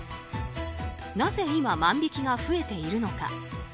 なぜ今、万引きが増えているのか。